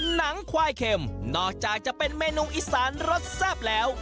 หนังควายเข็มนอกจากจะเป็นเมนูอีสานรสแซ่บแล้ว